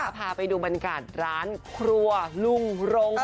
พาไปดูบรรกาศร้านครัวรุงรงค์ของเรา